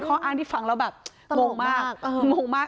เป็นข้ออ้างที่ฟังแล้วแบบตลกมากตลกมาก